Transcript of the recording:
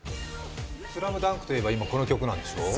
「ＳＬＡＭＤＵＮＫ」といえば今、この曲なんですよね。